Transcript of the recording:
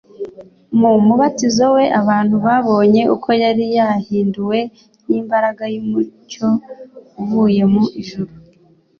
Mu mubatizo we, abantu babonye uko yari yahinduwe n'imbaraga y'umucyo uvuye mu ijuru;